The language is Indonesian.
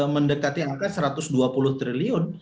mendekati angka satu ratus dua puluh triliun